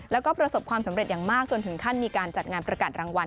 แล้วก็ประสบความสำเร็จอย่างมากจนถึงขั้นมีการจัดงานประกาศรางวัล